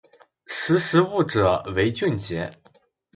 识时务者为俊杰